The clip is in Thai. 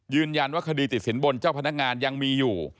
ยืนยันว่าคดีติดสินบนเจ้าพนักงานยังมีอยู่